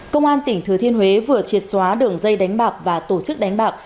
công an tỉnh thừa thiên huế vừa triệt xóa đường dây đánh bạc và tổ chức đánh bạc